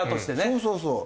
そうそうそう。